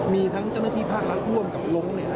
มีทั้งเจ้าหน้าที่ภาครัฐร่วมกับลง